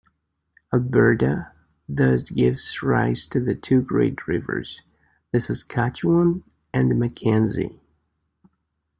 Alberta thus gives rise to the two great rivers, the Saskatchewan and the Mackenzie.